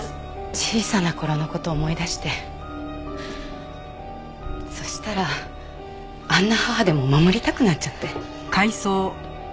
小さな頃の事思い出してそしたらあんな母でも守りたくなっちゃって。